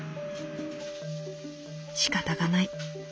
「しかたがない。